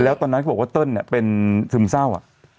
แล้วตอนนั้นเค้าบอกว่าเต้นเนี่ยเป็นซึมเศร้าอะ